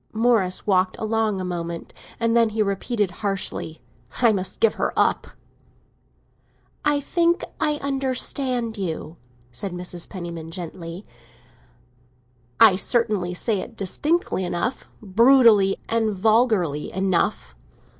Morris walked along a moment, and then he repeated harshly: "I must give her up!" "I think I understand you," said Mrs. Penniman gently. "I certainly say it distinctly enough—brutally and vulgarly enough."